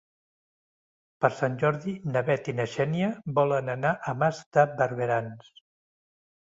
Per Sant Jordi na Bet i na Xènia volen anar a Mas de Barberans.